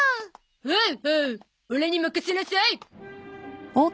ほうほうオラに任せなさい！